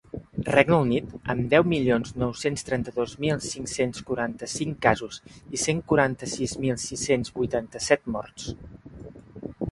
Regne Unit, amb deu milions nou-cents trenta-dos mil cinc-cents quaranta-cinc casos i cent quaranta-sis mil sis-cents vint-i-set morts.